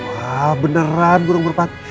wah beneran burung marpati